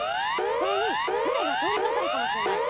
それに船が通りかかるかもしれない。